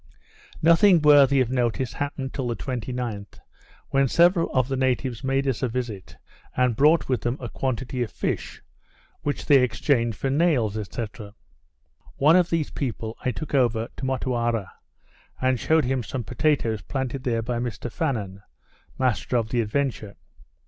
Nothing worthy of notice happened till the 29th, when several of the natives made us a visit, and brought with them a quantity of fish, which they exchanged for nails, &c. One of these people I took over to Motuara, and shewed him some potatoes planted there by Mr Fannen, master of the Adventure.